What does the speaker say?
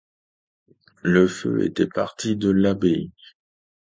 Le feu était parti de l'abbaye.